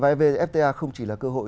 evfta không chỉ là cơ hội